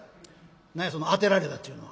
「何やその『当てられた』っちゅうのは。